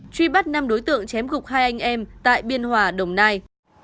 truy bắt năm đối tượng chém gục hai anh em tại biên hòa đồng nai